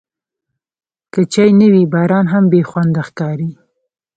که چای نه وي، باران هم بېخونده ښکاري.